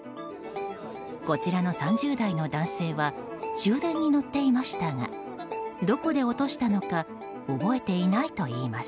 こちらの３０代の男性は終電に乗っていましたがどこで落としたのか覚えていないといいます。